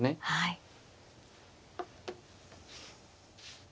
はい。